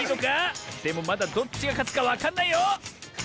でもまだどっちがかつかわかんないよ！